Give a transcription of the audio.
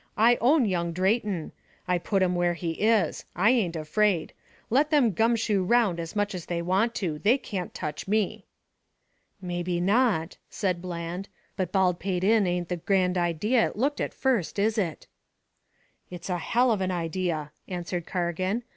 I own young Drayton. I put him where he is. I ain't afraid. Let them gumshoe round as much as they want to. They can't touch me." "Maybe not," said Bland. "But Baldpate Inn ain't the grand idea it looked at first, is it?" "It's a hell of an idea," answered Cargan.